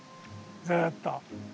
ずっと。